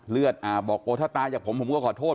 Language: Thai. เลือดอาบบอกโอ้ถ้าตายจากผมผมก็ขอโทษ